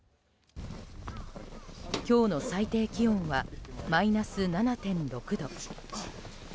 今日の最低気温はマイナス７．６度。